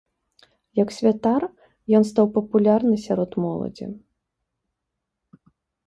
Як святар, ён стаў папулярны сярод моладзі.